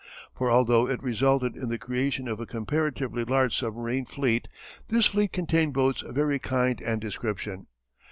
For, although it resulted in the creation of a comparatively large submarine fleet, this fleet contained boats of every kind and description.